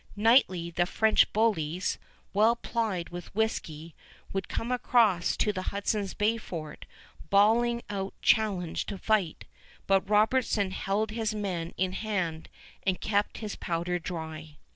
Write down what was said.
Nightly the French bullies, well plied with whisky, would come across to the Hudson's Bay fort, bawling out challenge to fight; but Robertson held his men in hand and kept his powder dry.